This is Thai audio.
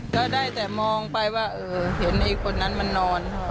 ก็ได้แต่มองไปว่าเห็นไอ้คนนั้นมันนอน